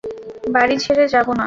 বাড়ি ছেড়ে যাবো না।